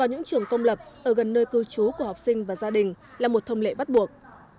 những trường công lập ở gần nơi cư trú của học sinh và gia đình là một thông lệ bắt buộc